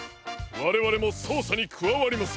われわれもそうさにくわわります。